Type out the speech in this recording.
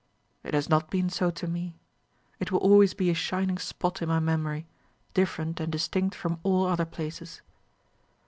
"It has not been so to me. It will always be a shining spot in my memory, different and distinct from all other places."